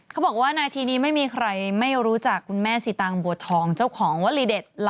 เขาบอกว่านาทีนี้ไม่มีใครไม่รู้จักคุณแม่สิตางบัวทองเจ้าของวลีเด็ด